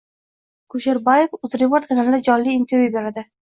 Rasul Kusherbayev Uzreport kanalida jonli intervyu beradi